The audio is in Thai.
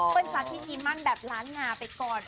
เปิลจะพิธีมั่นแบบล้านหงาไปก่อน